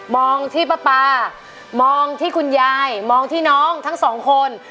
มองที่ป้าปามองที่คุณยายมองที่น้องทั้งสองคน